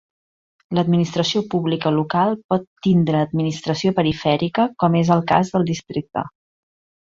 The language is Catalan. L'administració pública local pot tindre administració perifèrica, com és el cas del districte.